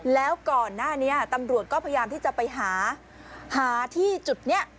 แล้วก่อนหน้านี้ตำรวจก็พยายามที่จะไปหาหาที่จุดนี้